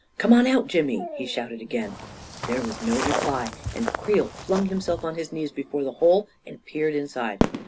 " Come on out, Jimmy! " he shouted again. There was no reply, and Creel flung himself on his knees before the hole and peered inside.